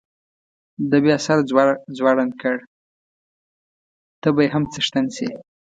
ده بیا سر ځوړند کړ، ته به یې هم څښتن شې.